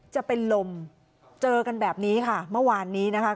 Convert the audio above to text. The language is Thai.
จะเป็นลมเจอกันแบบนี้ค่ะเมื่อวานนี้นะคะ